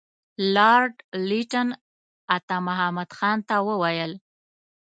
لارډ لیټن عطامحمد خان ته وویل.